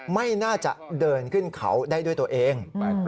ไม่น่าจะเดินขึ้นเขาได้ด้วยตัวเอง